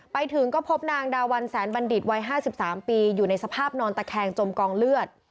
ไปถึงก็พบนางดาวันแสนบัณฑิตวัย๕๓ปีอยู่ในสภาพนอนตะแคงจมกองเลือด